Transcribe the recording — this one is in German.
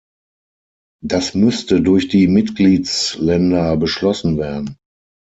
Das müsste durch die Mitgliedsländer beschlossen werden.